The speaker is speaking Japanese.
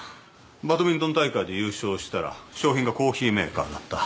バドミントン大会で優勝したら賞品がコーヒーメーカーだった。